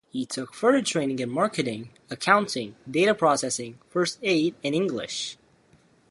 He took further training in marketing, accounting, data processing, first aid and English.